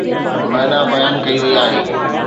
معنيٰ بيان ڪئي وئي آهي.